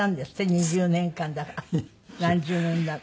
２０年間だか何十年だか。